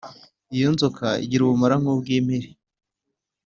Iyo inzoka igira ubumara nk’ubw’impiri